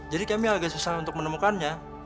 jadi kami agak susah untuk menemukannya